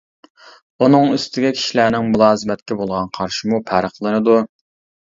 ئۇنىڭ ئۈستىگە كىشىلەرنىڭ مۇلازىمەتكە بولغان قارىشىمۇ پەرقلىنىدۇ.